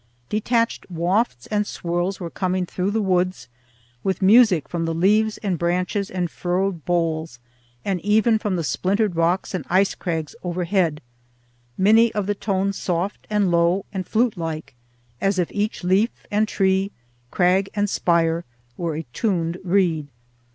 Detached wafts and swirls were coming through the woods, with music from the leaves and branches and furrowed boles, and even from the splintered rocks and ice crags overhead, many of the tones soft and low and flute like, as if each leaf and tree, crag and spire were a tuned reed.